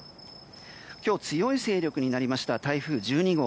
今日、強い勢力になりました台風１２号。